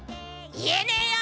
言えねよ！